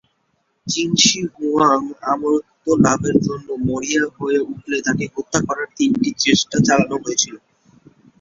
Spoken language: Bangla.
চিন শি হুয়াং অমরত্ব লাভের জন্য মরিয়া হয়ে উঠলে তাকে হত্যা করার তিনটি চেষ্টা চালানো হয়েছিল।